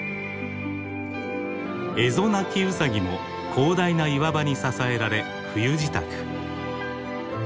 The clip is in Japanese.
エゾナキウサギも広大な岩場に支えられ冬支度。